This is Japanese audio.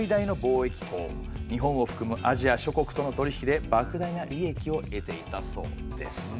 日本を含むアジア諸国との取り引きで莫大な利益を得ていたそうです。